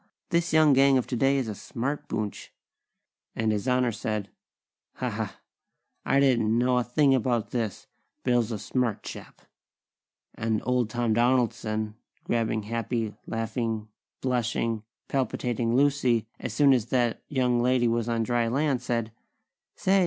This young gang of today is a smart boonch!" and His Honor said: "Ha, ha! I didn't know a thing about this! Bill's a smart chap!" And Old Tom Donaldson, grabbing happy, laughing, blushing, palpitating Lucy as soon as that young lady was on dry land, said: "Say!